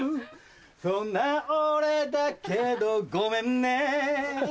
そんな俺だけどごめんね